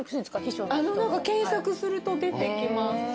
「秘書の人の」検索すると出てきます。